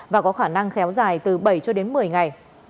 và có khả năng kéo dài từ bảy cho đến một mươi ngày